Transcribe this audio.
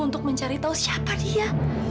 untuk mencari tahu siapa dia